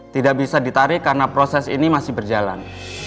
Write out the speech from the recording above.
tidak bisa ditarik karena proses ini masih berjalan